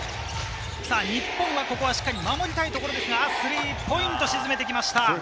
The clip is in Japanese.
日本はしっかり守りたいところですが、スリーポイントを沈めてきました。